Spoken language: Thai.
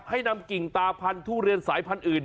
ให้นำกิ่งตาพันธุเรียนสายพันธุ์อื่น